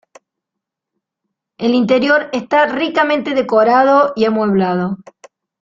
El interior está ricamente decorado y amueblado.